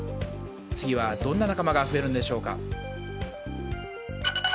次は、どんな仲間が増えるのでしょうか。